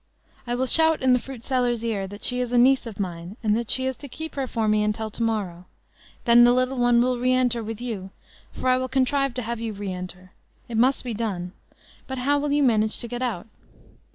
I will shout in the fruit seller's ear, that she is a niece of mine, and that she is to keep her for me until to morrow. Then the little one will re enter with you; for I will contrive to have you re enter. It must be done. But how will you manage to get out?"